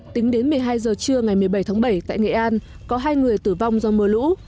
tính đến một mươi hai giờ trưa ngày một mươi bảy tháng bảy tại nghệ an có hai người tử vong do mưa lũ